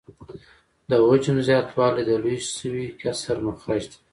د حجم زیاتوالی د لوی شوي کسر مخرج دی